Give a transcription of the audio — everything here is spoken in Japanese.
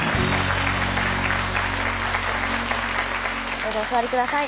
どうぞお座りください